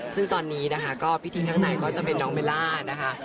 ซึ่งตอนนี้นะคะก็พิธีข้างในก็จะเป็นน้องเบลล่านะคะ